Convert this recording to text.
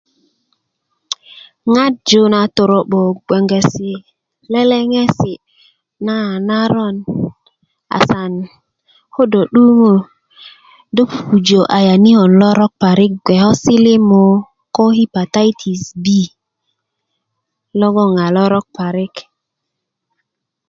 ŋaraju na torobo gbesi ti leleŋesi na a naron asan ko do 'duŋö do pupujö ayaniko lorok parik bge ko silimu ko hipatatis bi logon a lorok parik